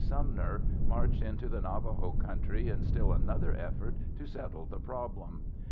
Sumner marched into the Navajo country in still another effort to settle the problem.